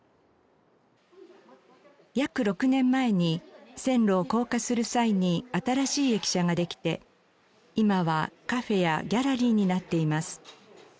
約６年前に線路を高架する際に新しい駅舎ができて今はカフェやギャラリーになっています。